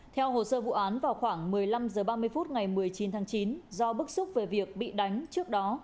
theo hồ sơ vụ án vào khoảng một mươi năm h ba mươi phút ngày một mươi chín tháng chín do bức xúc về việc bị đánh trước đó